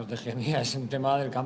untuk mendominasi pertandingan